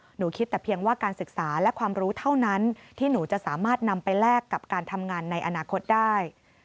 หนูคิดแต่เพียงว่าการศึกษาและความรู้เท่านั้นที่หนูจะสามารถนำไปแลกกับการทำงานในอนาคตได้